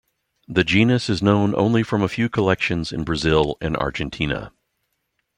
The genus is known only from a few collections in Brazil and Argentina.